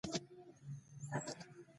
ورځنۍ خبری اتری